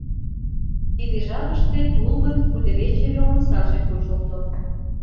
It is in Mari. Тиде жапыште клубын кудывече вел омсаже почылто.